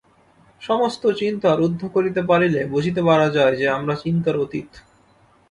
সমস্ত চিন্তা রুদ্ধ করিতে পারিলে বুঝিতে পারা যায় যে, আমরা চিন্তার অতীত।